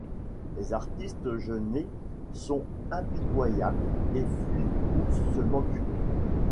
Les artistes gênés sont impitoyables: ils fuient ou se moquent.